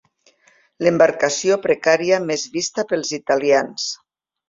L'embarcació precària més vista pels italians.